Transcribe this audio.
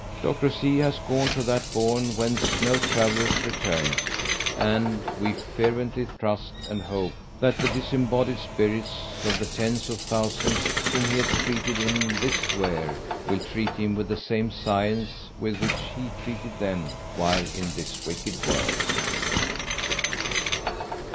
Dr. C. has 'gone to that bourne whence no traveller returns,' and we fervently trust and hope that the disembodied spirits of the tens of thousands whom he has treated in this sphere will treat him with the same science with which he treated them while in this wicked world."